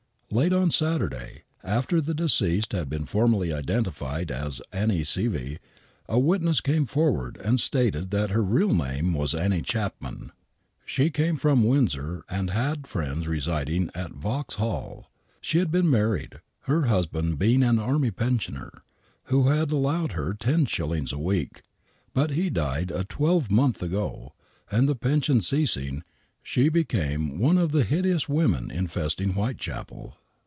Late on Saturday, after the deceased had been formally identi fied as Annie Sievy, a witness came forward and stated that her real name was Annie Chapman. She came from Windsor and had friends residing at Vauxhall. She had been married, her husband being an army pensioner, who had allowed her lOvshillings a week, but he died a twelvemonth ago, and the pension ceasing,, she be cam i one of the hideous women infesting Whitechapel.